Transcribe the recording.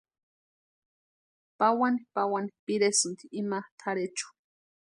Pawani pawani piresïnti ima tʼarhechu.